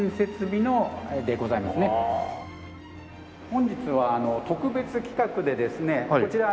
本日は特別企画でですねこちら。